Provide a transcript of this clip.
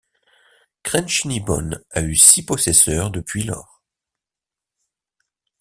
Crenshinibon a eu six possesseurs depuis lors.